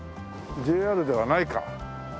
ＪＲではないか。